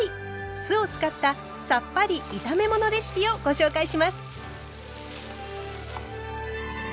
酢を使ったさっぱり炒め物レシピをご紹介します。